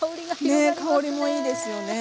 ねえ香りもいいですよね。